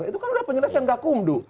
itu kan sudah penyelesaian gakum duh